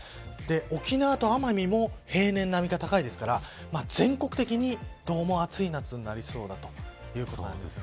沖縄と奄美も平年並みか、高いですから全国的に暑い夏になりそうだということなんです。